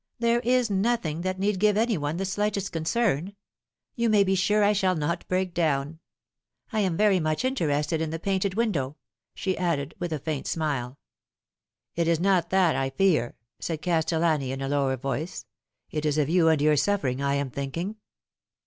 There is nothing that need give any one the slightest concern. You may be sure I shall not break down. I am very much interested in the painted window," she added, with a faint smile. " It is not that I fear," said Castellani, in a lower voice. " It is of you and your suffering I am thinking."